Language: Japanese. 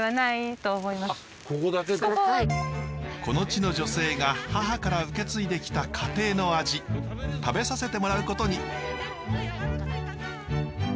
この地の女性が母から受け継いできた家庭の味食べさせてもらうことに。